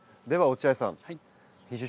では落合さん。